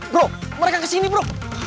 bro mereka kesini bro